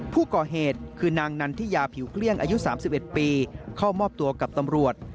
ผู้ก่อเหตุคือนางนันทิยาผิวเกลี้ยงอายุ๓๑ปีเข้ามอบตัวกับตำรวจ